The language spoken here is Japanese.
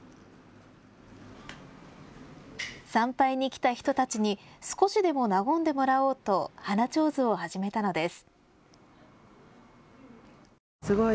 参拝に来た人たちに少しでも和んでもらおうと花ちょうずを始めたのです。